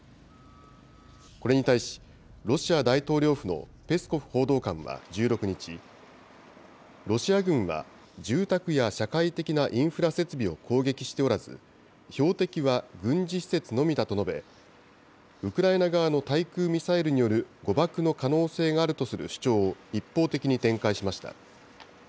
これに対し、ロシア大統領府のペスコフ報道官は１６日、ロシア軍は住宅や社会的なインフラ設備を攻撃しておらず、標的は軍事施設のみだと述べ、ウクライナ側の対空ミサイルによる誤爆の可能性があるとする主張を一方的に展開しました。